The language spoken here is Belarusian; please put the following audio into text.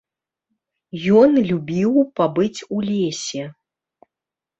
Ён любіў пабыць у лесе.